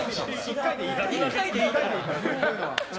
１回でいいから。